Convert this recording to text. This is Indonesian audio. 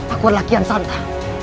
aku adalah kian sata